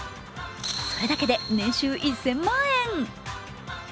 それだけで年収１０００万円。